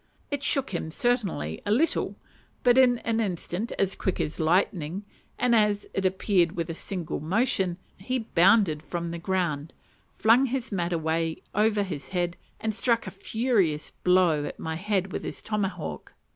It shook him, certainly, a little; but in an instant, as quick as lightning, and as it appeared with a single motion, he bounded from the ground, flung his mat away over his head, and struck a furious blow at my head with his tomahawk.